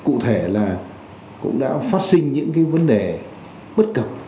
cụ thể là cũng đã phát sinh những cái vấn đề bất cập